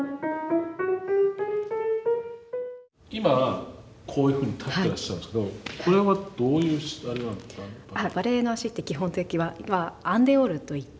今こういうふうに立ってらっしゃるんですけどこれはどういうあれなんですか？